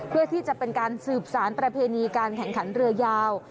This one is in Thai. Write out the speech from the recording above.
เพื่อที่จะเป็นการสืบสารประเพณีการแข่งขันเรือยาว